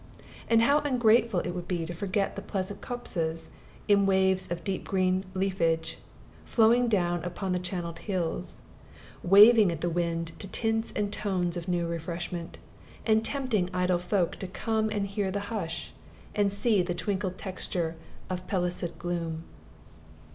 And how ungrateful it would be to forget the pleasant copses, in waves of deep green leafage flowing down and up the channeled hills, waving at the wind to tints and tones of new refreshment, and tempting idle folk to come and hear the hush, and see the twinkled texture of pellucid gloom.